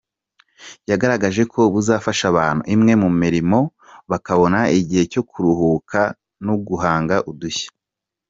Yagaragaje ko buzafasha abantu imwe mu mirimo bakabona igihe cyo kuruhuka no guhanga udushya.